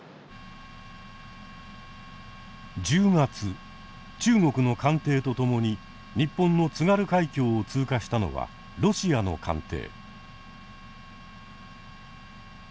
１０月中国の艦艇と共に日本の津軽海峡を通過したのはロシアの艦艇。